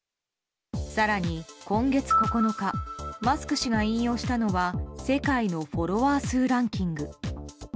更に、今月９日マスク氏が引用したのは世界のフォロワー数ランキング。